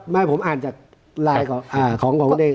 ไม่ผมอ่านจากของคุณเอง